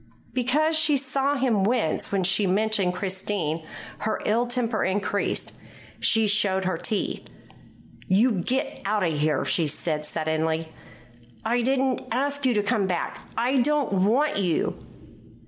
Because she saw him wince when she mentioned Christine, her ill temper increased. She showed her teeth. "You get out of here," she said suddenly. "I didn't ask you to come back. I don't want you."